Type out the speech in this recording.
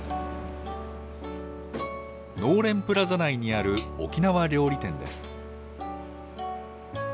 のうれんプラザ内にある沖縄料理店です。